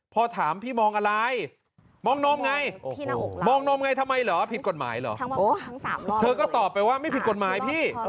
พอถามพี่มองอะไรมองนมไงมองนมไงทำไมเหรอผิดกฎหมายเหรอเธอก็ตอบไปว่าไม่ผิดกฎหมายพี่